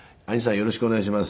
よろしくお願いします」